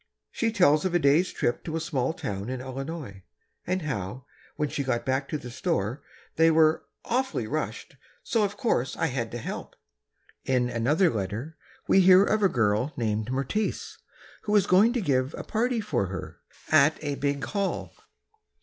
She tells of a day's trip to a small town in Illinois, and how, when she got back to the store, they were "awfully rushed, so of course I had to help." In another letter, we hear of a girl named Mertice, who is going to give a party for her, "at a big Hall."